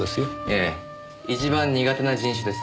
ええ一番苦手な人種です。